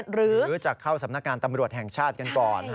หรือจะเข้าสำนักงานตำรวจแห่งชาติกันก่อน